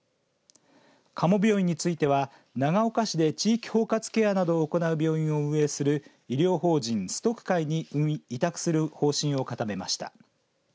加茂病院については長岡市で地域包括ケアなどを行う病院を運営する医療法人、崇徳会に委託する方針を固めました。